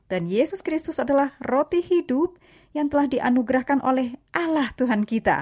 dan yesus kristus adalah roti hidup yang telah dianugerahkan oleh allah tuhan kita